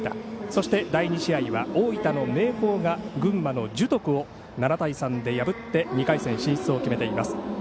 そして第２試合は大分の明豊が群馬の樹徳を７対３で破って２回戦進出を決めています。